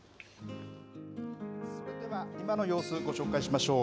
それでは今の様子、ご紹介しましょう。